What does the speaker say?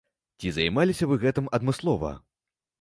Ці займаліся вы гэтым адмыслова?